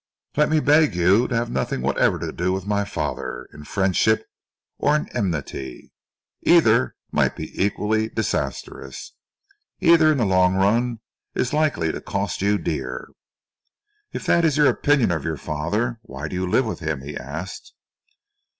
Let me beg you to have nothing whatever to do with my father, in friendship or in enmity. Either might be equally disastrous. Either, in the long run, is likely to cost you dear." "If that is your opinion of your father, why do you live with him?" he asked.